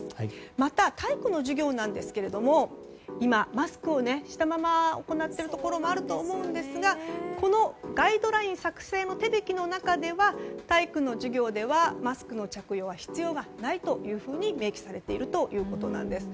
また、体育の授業ですが今、マスクをしたまま行っているところもあると思うんですがこのガイドライン作成の手引の中では体育の授業ではマスクの着用は必要ないと明記されているということです。